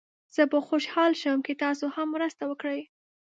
زه به خوشحال شم که تاسو هم مرسته وکړئ.